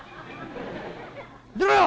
出ろよ！